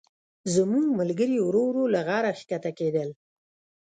زموږ ملګري ورو ورو له غره ښکته کېدل.